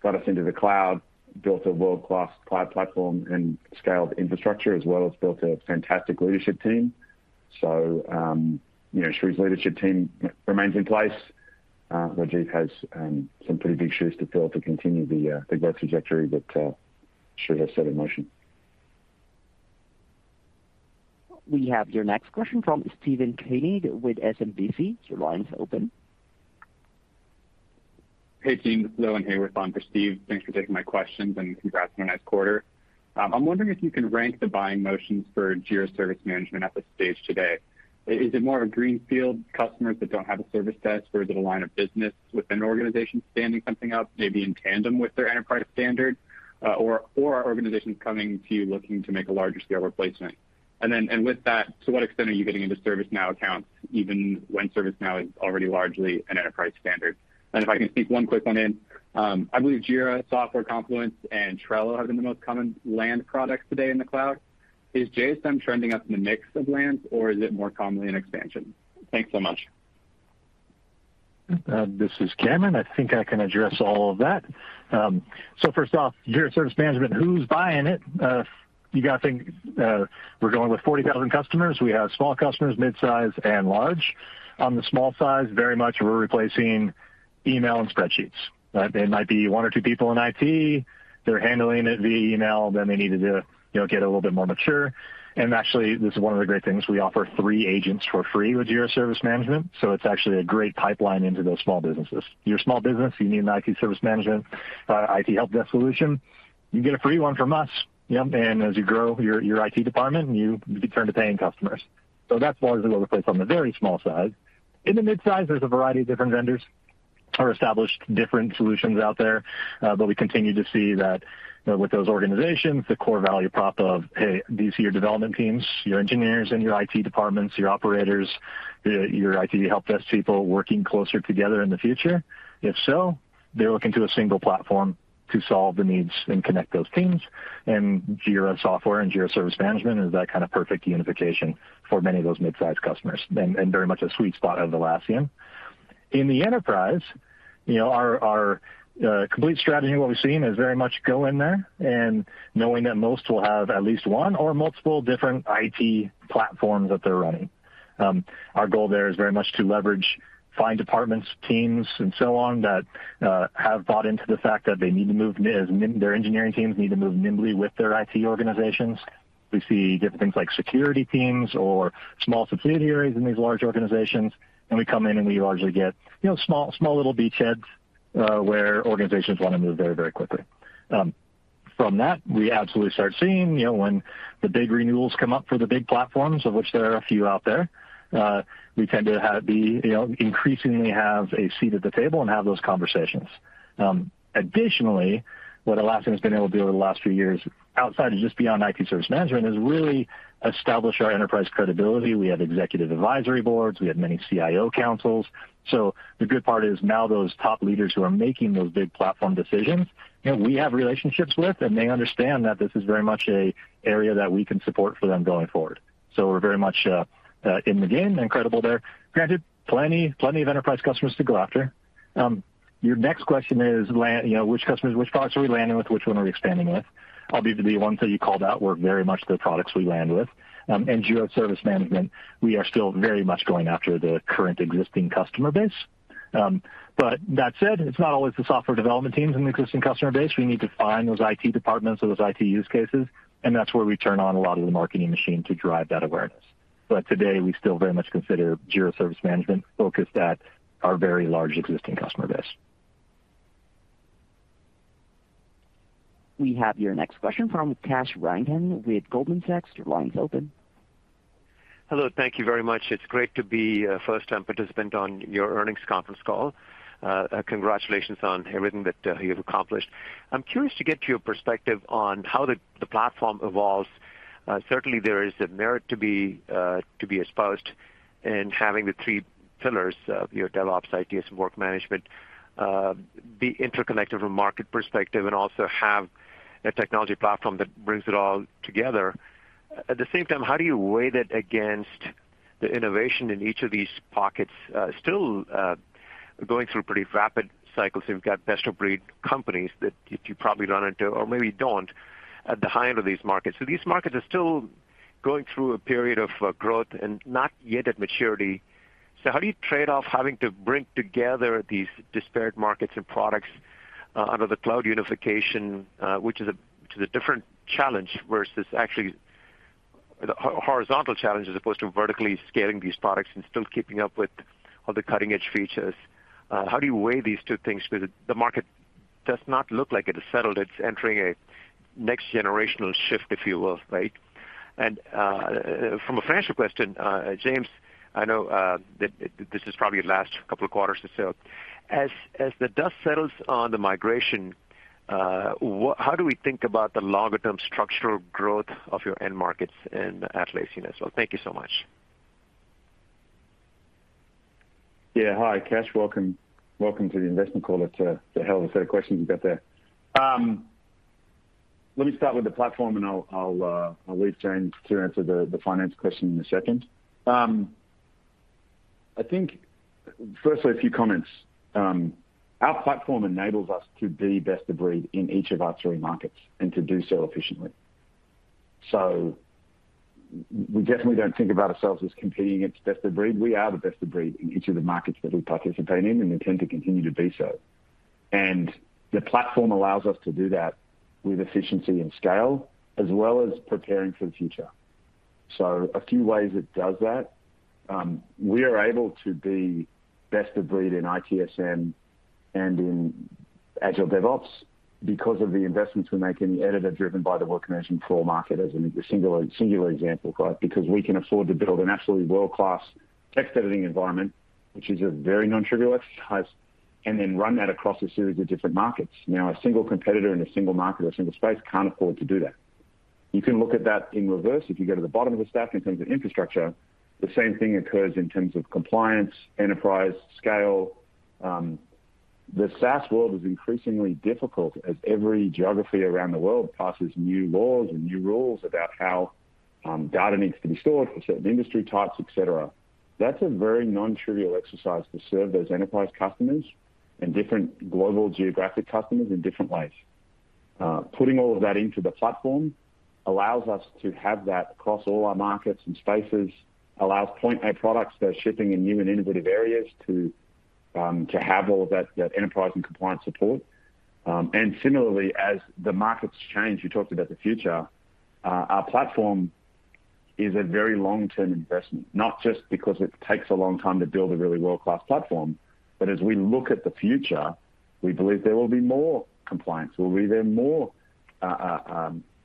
got us into the cloud, built a world-class cloud platform and scaled infrastructure, as well as built a fantastic leadership team. You know, Sri's leadership team remains in place. Rajeev has some pretty big shoes to fill to continue the growth trajectory that Sri has set in motion. We have your next question from Steve Koenig with SMBC. Your line is open. Hey, team. This is Bowen Hayworth on for Steve. Thanks for taking my questions, and congrats on a nice quarter. I'm wondering if you can rank the buying motions for Jira Service Management at this stage today. Is it more of a greenfield customers that don't have a service desk, or is it a line of business with an organization standing something up, maybe in tandem with their enterprise standard, or are organizations coming to you looking to make a larger scale replacement? With that, to what extent are you getting into ServiceNow accounts even when ServiceNow is already largely an enterprise standard? If I can sneak one quick one in. I believe Jira Software, Confluence and Trello have been the most common land products today in the cloud. Is JSM trending up in the mix of lands, or is it more commonly an expansion? Thanks so much. This is Cameron. I think I can address all of that. So first off, Jira Service Management, who's buying it? You gotta think, we're going with 40,000 customers. We have small customers, mid-size, and large. On the small size, very much we're replacing email and spreadsheets, right? It might be one or two people in IT. They're handling it via email, then they need to, you know, get a little bit more mature. Actually, this is one of the great things. We offer three agents for free with Jira Service Management, so it's actually a great pipeline into those small businesses. You're a small business, you need an IT service management, IT helpdesk solution, you get a free one from us, you know. As you grow your IT department, you turn to paying customers. That's largely what we place on the very small size. In the mid-size, there's a variety of different vendors or established different solutions out there, but we continue to see that, you know, with those organizations, the core value prop of, hey, do you see your development teams, your engineers in your IT departments, your operators, your IT helpdesk people working closer together in the future? If so, they're looking to a single platform to solve the needs and connect those teams. Jira Software and Jira Service Management is that kind of perfect unification for many of those mid-size customers and very much a sweet spot of Atlassian. In the enterprise, you know, our complete strategy, what we've seen is very much go in there and knowing that most will have at least one or multiple different IT platforms that they're running. Our goal there is very much to leverage line departments, teams, and so on that have bought into the fact that their engineering teams need to move nimbly with their IT organizations. We see different things like security teams or small subsidiaries in these large organizations, and we come in and we largely get, you know, small little beachheads where organizations want to move very, very quickly. From that, we absolutely start seeing, you know, when the big renewals come up for the big platforms, of which there are a few out there, we tend to, you know, increasingly have a seat at the table and have those conversations. Additionally, what Atlassian has been able to do over the last few years outside of just beyond IT service management is really establish our enterprise credibility. We have executive advisory boards, we have many CIO councils. The good part is now those top leaders who are making those big platform decisions, you know, we have relationships with, and they understand that this is very much an area that we can support for them going forward. We're very much in the game and credible there. Granted, plenty of enterprise customers to go after. Your next question is, you know, which customers, which products are we landing with, which one are we expanding with? It'll be the ones that you called out were very much the products we land with. Jira Service Management, we are still very much going after the current existing customer base. That said, it's not always the software development teams in the existing customer base. We need to find those IT departments or those IT use cases, and that's where we turn on a lot of the marketing machine to drive that awareness. Today, we still very much consider Jira Service Management focused at our very large existing customer base. We have your next question from Kash Rangan with Goldman Sachs. Your line is open. Hello. Thank you very much. It's great to be a first-time participant on your earnings conference call. Congratulations on everything that you've accomplished. I'm curious to get your perspective on how the platform evolves. Certainly there is a merit to be exposed in having the three pillars of your DevOps, ITSM, and work management be interconnected from market perspective and also have a technology platform that brings it all together. At the same time, how do you weigh that against the innovation in each of these pockets still going through pretty rapid cycles? You've got best-of-breed companies that you probably run into or maybe don't at the high end of these markets. These markets are still going through a period of growth and not yet at maturity. How do you trade off having to bring together these disparate markets and products under the cloud unification, which is a different challenge versus actually the horizontal challenge as opposed to vertically scaling these products and still keeping up with all the cutting edge features? How do you weigh these two things with the market? Does not look like it is settled. It's entering a next generational shift, if you will, right? From a financial question, James, I know, this is probably your last couple of quarters or so. As the dust settles on the migration, how do we think about the longer term structural growth of your end markets in Atlassian as well? Thank you so much. Yeah. Hi, Kash. Welcome to the investment call. It's a hell of a set of questions you got there. Let me start with the platform, and I'll leave James to answer the finance question in a second. I think first, a few comments. Our platform enables us to be best of breed in each of our three markets and to do so efficiently. We definitely don't think about ourselves as competing. It's best of breed. We are the best of breed in each of the markets that we participate in, and intend to continue to be so. The platform allows us to do that with efficiency and scale, as well as preparing for the future. A few ways it does that. We are able to be best of breed in ITSM and in Agile DevOps because of the investments we make in the editor driven by the work management core market as a singular example, right? Because we can afford to build an absolutely world-class text editing environment, which is a very non-trivial exercise, and then run that across a series of different markets. Now, a single competitor in a single market or single space can't afford to do that. You can look at that in reverse. If you go to the bottom of the stack in terms of infrastructure, the same thing occurs in terms of compliance, enterprise, scale. The SaaS world is increasingly difficult as every geography around the world passes new laws and new rules about how data needs to be stored for certain industry types, et cetera. That's a very non-trivial exercise to serve those enterprise customers and different global geographic customers in different ways. Putting all of that into the platform allows us to have that across all our markets and spaces, allows Point A products that are shipping in new and innovative areas to have all of that enterprise and compliance support. Similarly, as the markets change, you talked about the future, our platform is a very long-term investment, not just because it takes a long time to build a really world-class platform, but as we look at the future, we believe there will be more compliance, more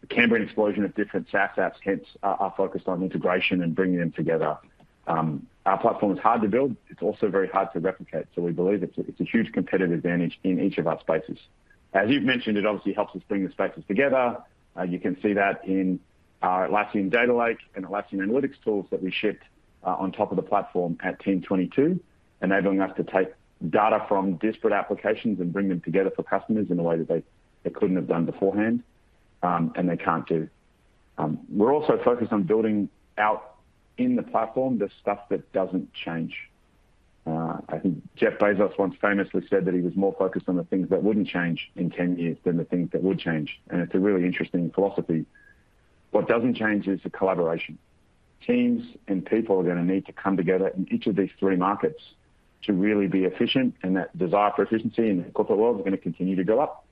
Cambrian explosion of different SaaS apps, hence our focus on integration and bringing them together. Our platform is hard to build. It's also very hard to replicate. We believe it's a huge competitive advantage in each of our spaces. As you've mentioned, it obviously helps us bring the spaces together. You can see that in our Atlassian Data Lake and Atlassian Analytics tools that we shipped on top of the platform at Team '22, enabling us to take data from disparate applications and bring them together for customers in a way that they couldn't have done beforehand, and they can't do. We're also focused on building out in the platform the stuff that doesn't change. I think Jeff Bezos once famously said that he was more focused on the things that wouldn't change in ten years than the things that would change, and it's a really interesting philosophy. What doesn't change is the collaboration. Teams and people are gonna need to come together in each of these three markets to really be efficient, and that desire for efficiency in the corporate world is gonna continue to go up.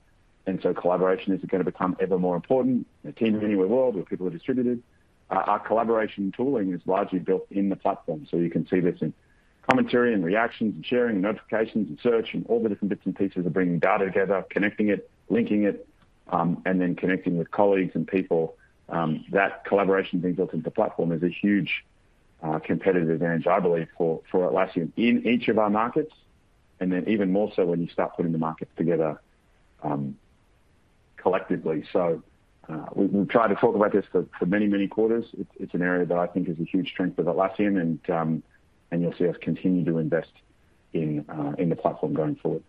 Collaboration is gonna become ever more important in a Team Anywhere world where people are distributed. Our collaboration tooling is largely built in the platform. You can see this in commentary and reactions and sharing, notifications and search, and all the different bits and pieces are bringing data together, connecting it, linking it, and then connecting with colleagues and people. That collaboration being built into the platform is a huge competitive advantage, I believe, for Atlassian in each of our markets, and then even more so when you start putting the markets together, collectively. We've tried to talk about this for many quarters. It's an area that I think is a huge strength of Atlassian and you'll see us continue to invest in the platform going forward.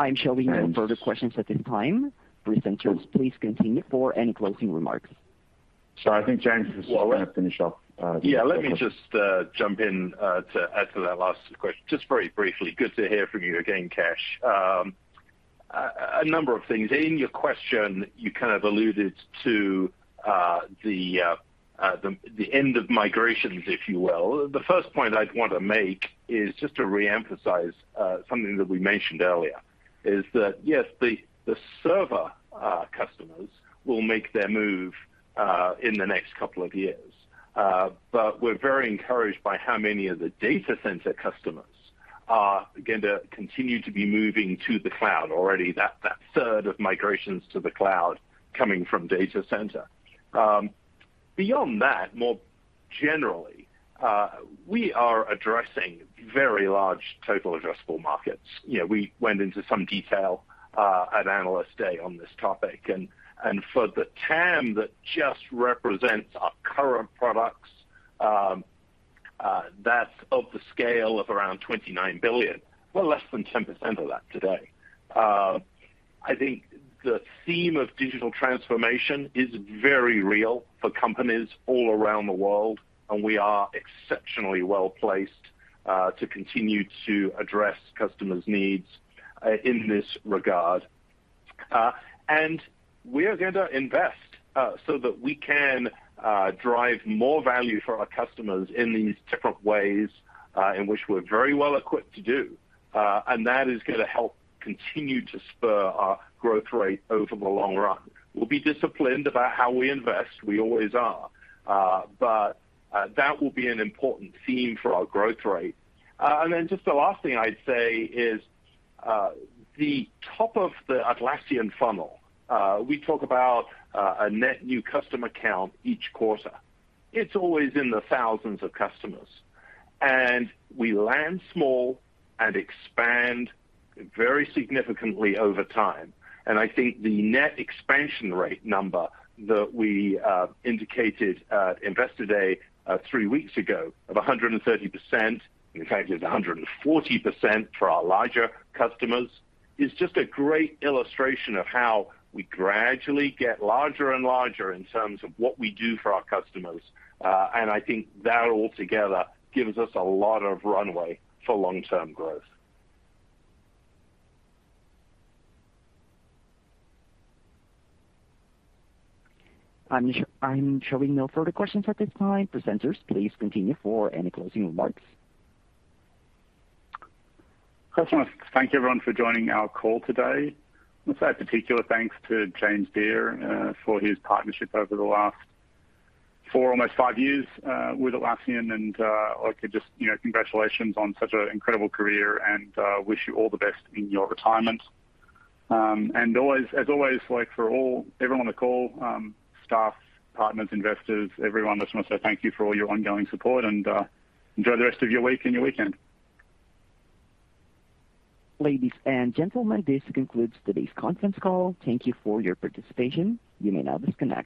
I'm showing no further questions at this time. Presenters, please continue for any closing remarks. I think James is just gonna finish off. Yeah. Let me just jump in to add to that last question, just very briefly. Good to hear from you again, Kash. A number of things. In your question, you kind of alluded to the end of migrations, if you will. The first point I'd want to make is just to re-emphasize something that we mentioned earlier, is that, yes, the server customers will make their move in the next couple of years. We're very encouraged by how many of the data center customers are going to continue to be moving to the cloud. Already, that third of migrations to the cloud coming from data center. Beyond that, more generally, we are addressing very large total addressable markets. You know, we went into some detail at Analyst Day on this topic. For the TAM that just represents our current products, that's of the scale of around $29 billion. We're less than 10% of that today. I think the theme of digital transformation is very real for companies all around the world, and we are exceptionally well placed to continue to address customers' needs in this regard. We are going to invest so that we can drive more value for our customers in these different ways in which we're very well equipped to do. That is gonna help continue to spur our growth rate over the long run. We'll be disciplined about how we invest, we always are. That will be an important theme for our growth rate. Just the last thing I'd say is the top of the Atlassian funnel. We talk about a net new customer count each quarter. It's always in the thousands of customers. We land small and expand very significantly over time. I think the net expansion rate number that we indicated at Investor Day three weeks ago of 130%, in fact, it's 140% for our larger customers, is just a great illustration of how we gradually get larger and larger in terms of what we do for our customers. I think that altogether gives us a lot of runway for long-term growth. I'm showing no further questions at this time. Presenters, please continue for any closing remarks. I just want to thank everyone for joining our call today. I wanna say a particular thanks to James Beer for his partnership over the last four, almost five years with Atlassian. I could just, you know, congratulations on such an incredible career, and wish you all the best in your retirement. Always, as always, like, for all, everyone on the call, staff, partners, investors, everyone, I just wanna say thank you for all your ongoing support and enjoy the rest of your week and your weekend. Ladies and gentlemen, this concludes today's conference call. Thank you for your participation. You may now disconnect.